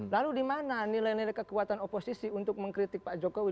lalu di mana nilai nilai kekuatan oposisi untuk mengkritik pak jokowi